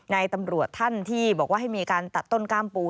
ในตำรวจท่านที่บอกว่าให้มีการตัดต้นกล้ามปู